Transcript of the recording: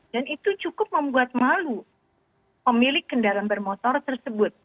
dan itu cukup membuat malu pemilik kendaraan bermotor tersebut